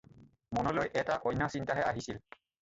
মনলৈ এটা অন্য চিন্তাহে আহিছিল।